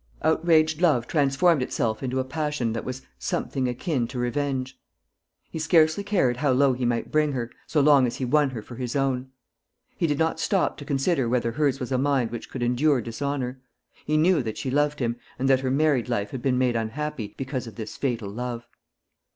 Outraged love transformed itself into a passion that was something akin to revenge. He scarcely cared how low he might bring her, so long as he won her for his own. He did not stop to consider whether hers was a mind which could endure dishonour. He knew that she loved him, and that her married life had been made unhappy because of this fatal love.